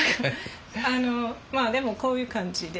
まあでもこういう感じで。